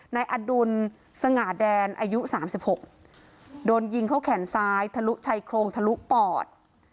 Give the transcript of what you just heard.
นายอดุลสง่าแดนอายุ๓๖โดนยิงเข้าแขนซ้ายทะลุชัยโครงทะลุปอด